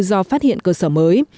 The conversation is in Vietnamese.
do phát hiện cơ sở mới